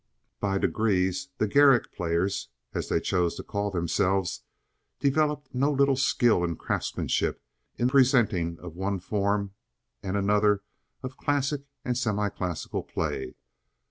By degrees the "Garrick Players," as they chose to call themselves, developed no little skill and craftsmanship in presenting one form and another of classic and semi classic play.